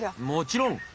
もちろん！